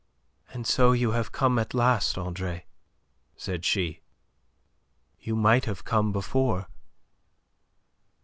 "And so you have come at last, Andre," said she. "You might have come before."